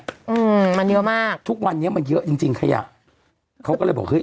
อืมมันเยอะมากทุกวันนี้มันเยอะจริงจริงขยะเขาก็เลยบอกเฮ้